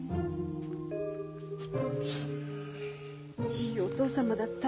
いいお義父様だった。